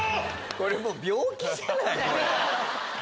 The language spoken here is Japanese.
これ病気じゃない？